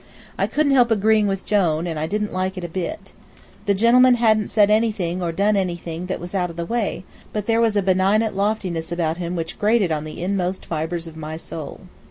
I couldn't help agreeing with Jone, and I didn't like it a bit. The gentleman hadn't said anything or done anything that was out of the way, but there was a benignant loftiness about him which grated on the inmost fibres of my soul.